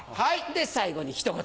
で最後にひと言。